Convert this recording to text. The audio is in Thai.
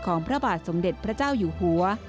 พระบาทสมเด็จพระเจ้าอยู่หัว